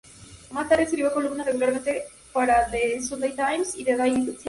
Más tarde escribió columnas regularmente para "The Sunday Times" y "The Daily Telegraph".